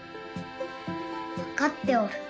わかっておる。